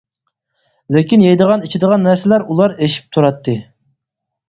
لېكىن يەيدىغان ئىچىدىغان نەرسىلەر ئۇلار ئېشىپ تۇراتتى.